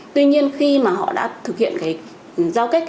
tuy nhiên khi mà họ đã thực hiện cái giao kết